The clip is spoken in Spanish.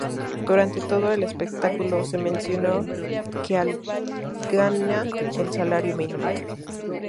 Durante todo el espectáculo se mencionó que Al gana el salario mínimo.